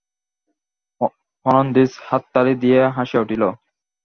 Fernandez হাততালি দিয়া হাসিয়া উঠিল।